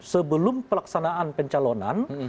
sebelum pelaksanaan pencalonan